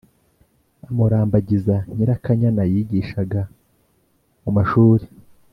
amurambagiza, Nyirakanyana yigishaga mu mashuri